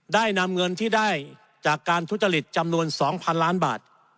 ได้นำเงินที่ได้จากการทุจริตจำนวน๒๐๐๐ล้านบาท